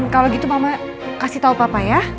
kalo gitu mama kasih tau papa ya